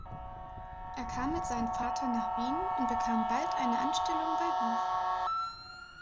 Er kam mit seinem Vater nach Wien und bekam bald eine Anstellung bei Hof.